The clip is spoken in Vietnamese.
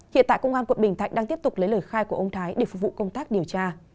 hiện tại công an quận bình thạnh đang tiếp tục lấy lời khai của ông thái để phục vụ công tác điều tra